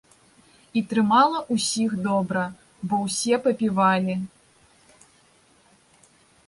І трымала ўсіх добра, бо ўсе папівалі.